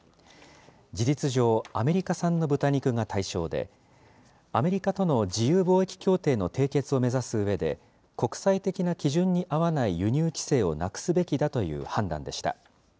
事実上、アメリカ産の豚肉が対象で、アメリカとの自由貿易協定の締結を目指すうえで、国際的な基準に合わない輸入規制をなくすべきだという判断でした。